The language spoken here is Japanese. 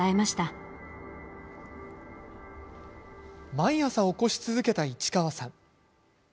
毎朝、起こし続けた市川さん。